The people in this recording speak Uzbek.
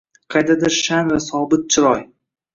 Qaydadir sha’n va sobit chiroy?